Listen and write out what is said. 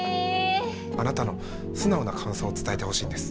あなたの素直な感想を伝えてほしいんです。